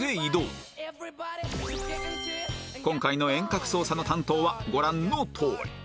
今回の遠隔操作の担当はご覧のとおり